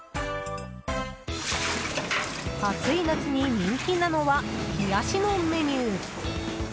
暑い夏に人気なのは冷やしのメニュー。